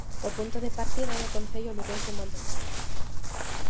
O punto de partida é o concello lugués de Mondoñedo.